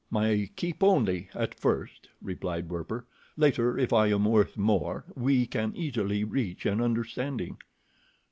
"My keep only, at first," replied Werper. "Later, if I am worth more, we can easily reach an understanding."